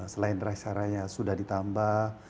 selain rest area nya sudah ditambah